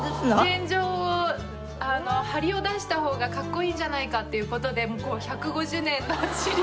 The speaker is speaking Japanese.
天井を梁を出した方がかっこいいんじゃないかっていう事で１５０年のおうち。